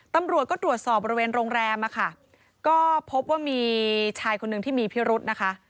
ตำรวจก็ตรวจสอบบริเวณโรงแรมอะค่ะก็พบว่ามีชายคนหนึ่งที่มีพิรุธนะคะ